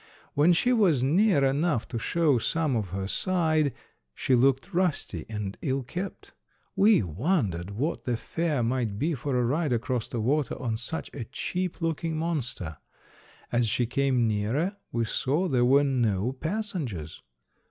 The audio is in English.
When she was near enough to show some of her side, she looked rusty and ill kept. We wondered what the fare must be for a ride across the water on such a cheap looking monster. As she came nearer we saw there were no passengers.